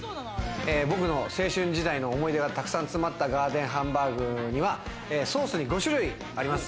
僕の青春時代の思い出がたくさん詰まったガーデンハンバーグにはソースに５種類あります。